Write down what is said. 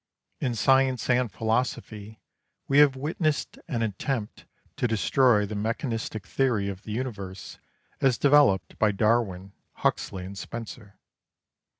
In science and philosophy we have witnessed an attempt to destroy the mechanistic theory of the universe as developed by Darwin, Huxley, and Spencer.